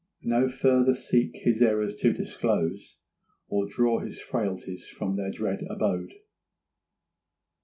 'No farther seek his errors to disclose, Or draw his frailties from their dread abode.